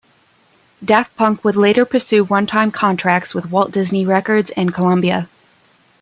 Daft Punk would later pursue one-time contracts with Walt Disney Records and Columbia.